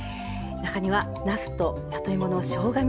中にはなすと里芋のしょうが